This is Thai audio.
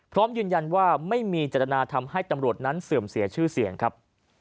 พร้อมยืนยันว่าไม่มีจตนาทำให้ตำรวจนั้นเสื่อมเสียชื่อเสียงครับ